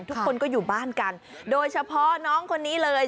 ทุกคนก็อยู่บ้านกันโดยเฉพาะน้องคนนี้เลย